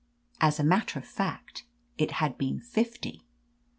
As a matter of fact, it had been fifty.